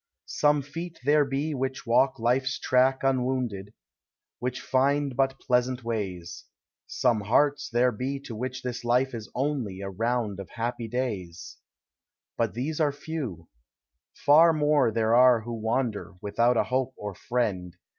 Some feet there l>o which walk Life's track un wounded. Which And but pleasant ways: Some hearts there lie to which this life is only A round of happy days. P>ut these are few. Far more there are who wan der Without a hope or friend.